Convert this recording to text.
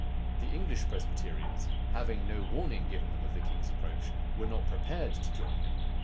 The English Presbyterians, having no warning given them of the king's approach, were not prepared to join him.